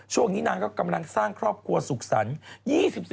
ช่วงนี้นางก็กำลังสร้างครอบครัวสุขสรรค์